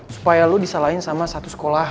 supaya lu disalahin sama satu sekolah